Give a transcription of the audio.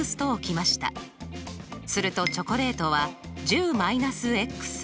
するとチョコレートは１０−。